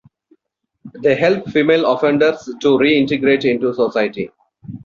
They help female offenders to re-integrate into society.